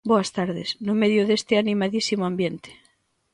Boas tardes, no medio deste animadísimo ambiente.